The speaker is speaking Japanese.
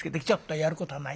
やることはない。